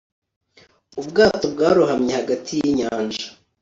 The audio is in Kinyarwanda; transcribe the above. ubwato bwarohamye hagati yinyanja